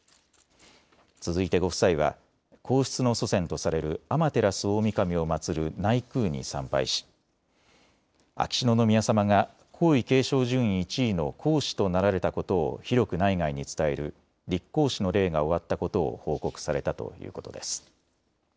続いてご夫妻は皇室の祖先とされる天照大神を祭る内宮に参拝し、秋篠宮さまが皇位継承順位１位の皇嗣となられたことを広く内外に伝える立皇嗣の礼が終わったことを報告されたということです。